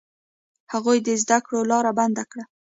هغوی د زده کړو لاره بنده کړه.